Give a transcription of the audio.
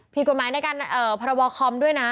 ผิดกฎหมายในการพรบคอมด้วยนะ